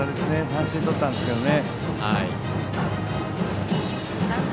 三振とったんですけどね。